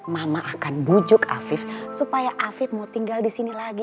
mama akan bujuk afif supaya afif mau tinggal di sini lagi